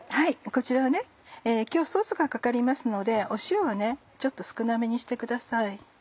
こちらを今日ソースがかかりますので塩はちょっと少なめにしてください。